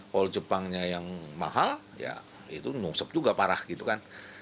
kalau jepangnya yang mahal ya itu nungsep juga parah gitu kan